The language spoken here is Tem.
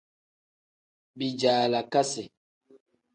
Bijaalakasi.